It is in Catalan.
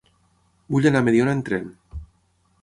Vull anar a Mediona amb tren.